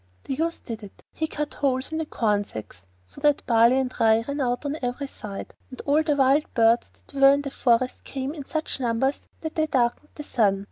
The youth did it. He cut holes in the corn sacks so that barley and rye ran out on every side, and all the wild birds that were in the forest came in such numbers that they darkened the sun.